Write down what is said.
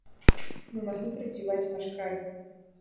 Мы маглі б развіваць наш край.